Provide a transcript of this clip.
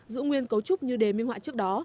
giữ nguyên cấu trúc như đề minh họa chức